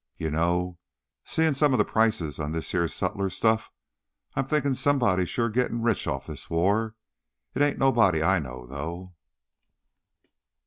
"You know, seein' some of the prices on this heah sutlers' stuff, I'm thinkin' somebody's sure gittin' rich on this war. It ain't nobody I know, though."